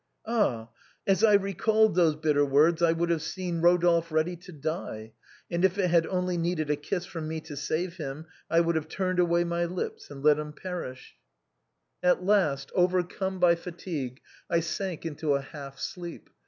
Ah, as I recalled those bitter words I would have seen Eodolphe ready to die, and if it had only needed a kiss from me to save him, I would have turned away my lips and let him perish. MIMI IN FINE FEATHER. 281 " At last, overcome by fatigue, I sank into a half sleep.